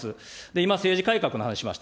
今、政治改革の話しました。